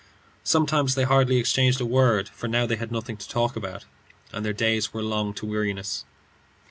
Sometimes they hardly exchanged a word, for now they had nothing to talk about, and their days were long to weariness.